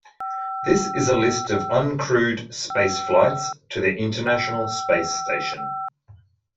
This is a list of uncrewed spaceflights to the International Space Station.